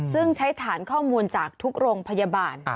ซึ่งใช้ฐานข้อมูลจากทุกโรงพยาบาล